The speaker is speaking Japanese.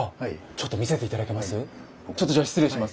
ちょっと見せて頂けます？